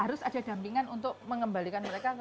harus ada dampingan untuk mengembalikan mereka ke tempat ini